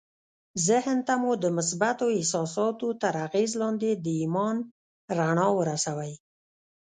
ذهن ته مو د مثبتو احساساتو تر اغېز لاندې د ايمان رڼا ورسوئ.